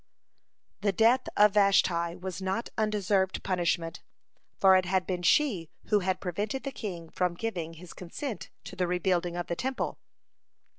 (47) The death of Vashti was not undeserved punishment, for it had been she who had prevented the king from giving his consent to the rebuilding of the Temple.